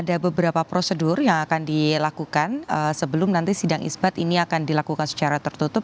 ada beberapa prosedur yang akan dilakukan sebelum nanti sidang isbat ini akan dilakukan secara tertutup